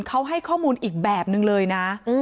เขาให้ข้อมูลอีกแบบนึงเลยนะ